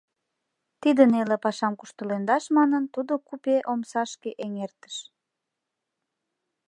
Тиде неле пашам куштылемдаш манын, тудо купе омсашке эҥертыш.